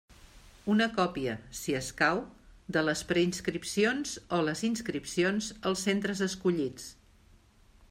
Una còpia, si escau, de les preinscripcions o les inscripcions als centres escollits.